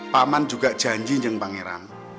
paman juga janji yang pangeran